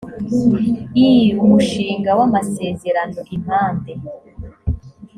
iii umushinga w amasezerano impande